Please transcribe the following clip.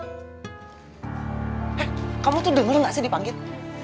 eh kamu tuh denger gak sih dipanggil